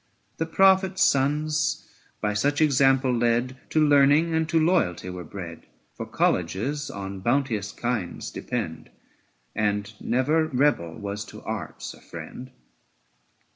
The Prophets' sons, by such example led, 870 To learning and to loyalty were bred: For colleges on bounteous kings depend, And never rebel was to arts a friend.